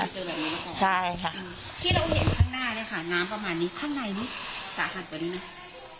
ที่เราเห็นข้างหน้าเนี้ยค่ะน้ำประมาณนี้ข้างในนี้สะหัสจะดีไหม